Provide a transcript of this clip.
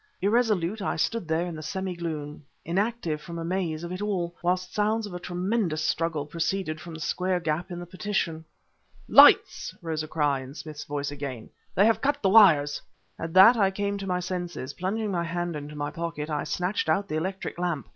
Irresolute, I stood there in the semi gloom inactive from amaze of it all whilst sounds of a tremendous struggle proceeded from the square gap in the partition. "Lights!" rose a cry, in Smith's voice again "they have cut the wires!" At that I came to my senses. Plunging my hand into my pocket, I snatched out the electric lamp ...